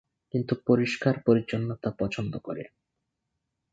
কিন্তু পরিস্কার পরিচ্ছনতা পছন্দ করে।